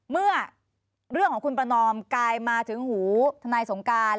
เมื่อเรื่องของคุณประนอมกลายมาถึงหูทนายสงการ